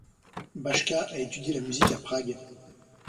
Bajka a étudié la musique à Prague.